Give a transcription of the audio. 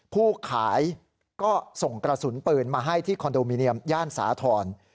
ผู้ขายก็ส่งกระสุนปืนมาให้ที่คอนโดมิเนียมย่านสาธรณ์